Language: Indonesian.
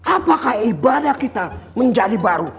apakah ibadah kita menjadi baru